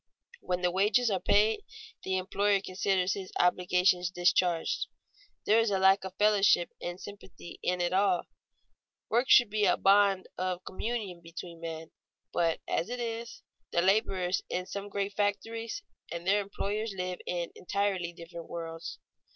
When the wages are paid, the employer considers his obligations discharged. There is a lack of fellowship and sympathy in it all. Work should be a bond of communion between men, but as it is, the laborers in some great factories and their employers live in entirely different worlds.